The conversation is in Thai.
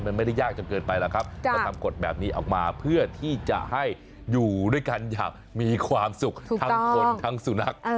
มันไม่ได้ยากจนเกินไปหรอกครับก็ทำกฎแบบนี้ออกมาเพื่อที่จะให้อยู่ด้วยกันอย่างมีความสุขทั้งคนทั้งสุนัข